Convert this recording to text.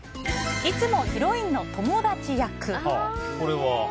いつもヒロインの友達役。